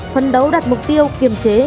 phân đấu đặt mục tiêu kiềm chế